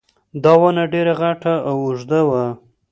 دا ونه ډېره غټه او اوږده وه